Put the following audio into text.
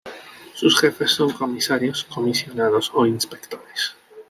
Sus Jefes son comisarios, comisionados o Inspectores.